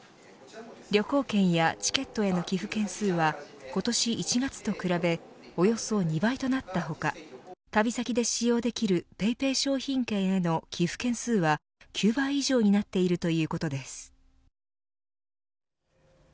旅行券やチケットへの寄付件数は今年１月と比べおよそ２倍となった他旅先で使用できるＰａｙＰａｙ商品券への寄付件数は９倍以上になっているということです。